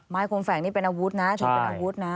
คมแฝงนี่เป็นอาวุธนะถือเป็นอาวุธนะ